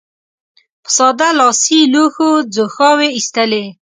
په ساده لاسي لوښو ځوښاوې اېستلې.